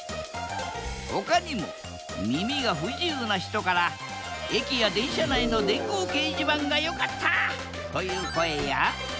ほかにも耳が不自由な人から駅や電車内の電光掲示板が良かったという声や。